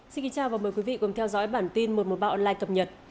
xin kính chào và mời quý vị cùng theo dõi bản tin một trăm một mươi ba online cập nhật